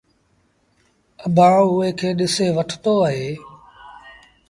اڀآنٚ اُئي کي ڏسي وٺتو اهي۔